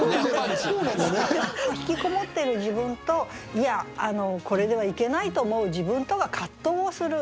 引きこもってる自分と「いやこれではいけない」と思う自分とが葛藤をする。